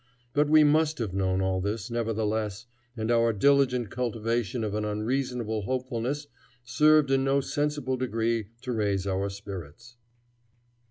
But we must have known all this, nevertheless, and our diligent cultivation of an unreasonable hopefulness served in no sensible degree to raise our spirits.